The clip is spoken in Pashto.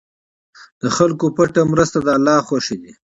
د خلکو پټه مرسته د الله خوښي ده.